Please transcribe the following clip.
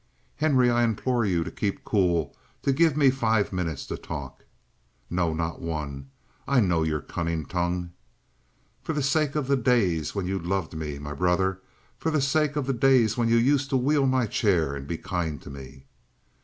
"Henry, I implore you to keep cool to give me five minutes for talk " "No, not one. I know your cunning tongue!" "For the sake of the days when you loved me, my brother. For the sake of the days when you used to wheel my chair and be kind to me."